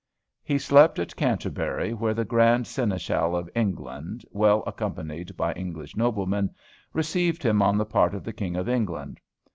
"He slept at Canterbury, where the Grand Seneschal of England, well accompanied by English noblemen, received him on the part of the King of England.